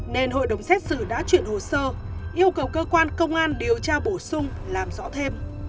nên hội đồng xét xử đã chuyển hồ sơ yêu cầu cơ quan công an điều tra bổ sung làm rõ thêm